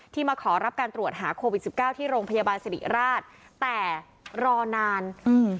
มาขอรับการตรวจหาโควิดสิบเก้าที่โรงพยาบาลสิริราชแต่รอนานอืม